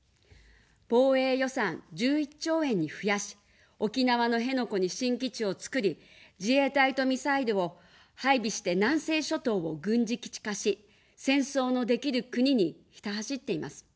防衛予算１１兆円に増やし、沖縄の辺野古に新基地を造り、自衛隊とミサイルを配備して、南西諸島を軍事基地化し、戦争のできる国にひた走っています。